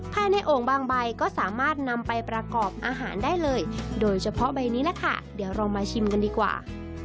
ในโอ่งบางใบก็สามารถนำไปประกอบอาหารได้เลยโดยเฉพาะใบนี้แหละค่ะเดี๋ยวเรามาชิมกันดีกว่า